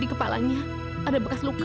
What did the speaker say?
di kepalanya ada bekas luka